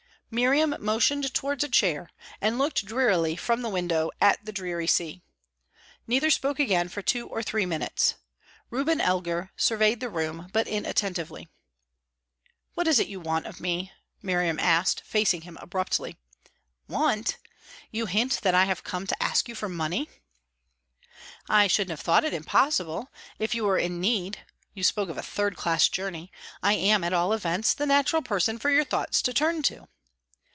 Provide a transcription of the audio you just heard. Miriam motioned towards a chair, and looked drearily from the window at the dreary sea. Neither spoke again for two or three minutes. Reuben Elgar surveyed the room, but inattentively. "What is it you want of me?" Miriam asked, facing him abruptly. "Want? You hint that I have come to ask you for money?" "I shouldn't have thought it impossible. If you were in need you spoke of a third class journey I am, at all events, the natural person for your thoughts to turn to."